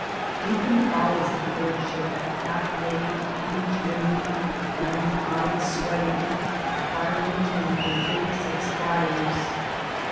Deep in the bowels of the great ship, half naked fauge limbed grimy eyed sweating, the firemen tend their thirty six fires.